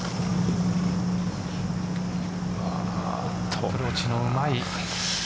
アプローチのうまい。